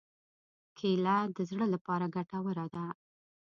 کېله د زړه لپاره ګټوره ده.